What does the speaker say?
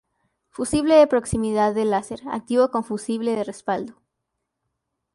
Fusible de proximidad de láser activo con fusible de respaldo.